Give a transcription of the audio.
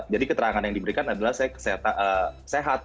jadi keterangan yang diberikan adalah saya sehat